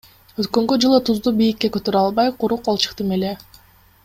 Өткөнкү жылы тузду бийикке көтөрө албай, куру кол чыктым эле.